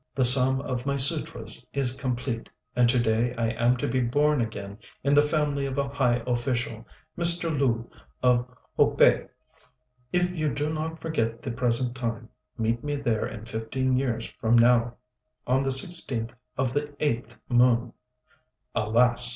The sum of my sutras is complete, and to day I am to be born again in the family of a high official, Mr. Lu, of Ho pei. If you do not forget the present time, meet me there in fifteen years from now, on the 16th of the 8th moon." "Alas!"